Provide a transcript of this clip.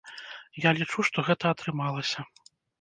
Я лічу, што гэта атрымалася.